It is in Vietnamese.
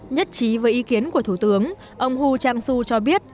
nhất trí với ý kiến của thủ tướng ông hu trang su cho biết